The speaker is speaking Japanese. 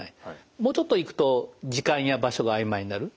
もうちょっといくと時間や場所があいまいになる。